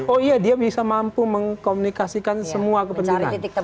oh iya dia bisa mampu mengkomunikasikan semua kepentingan